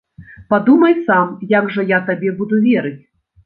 Падумай сам, як жа я табе буду верыць!